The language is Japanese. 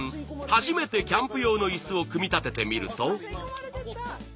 初めてキャンプ用の椅子を組み立ててみると。